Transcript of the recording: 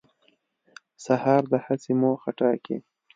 سهار د هڅې موخه ټاکي.